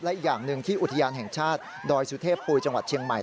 และอีกอย่างหนึ่งที่อุทยานแห่งชาติดอยสุเทพปุยจังหวัดเชียงใหม่